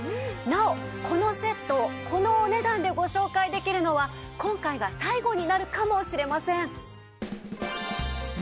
なおこのセットをこのお値段でご紹介できるのは今回が最後になるかもしれません。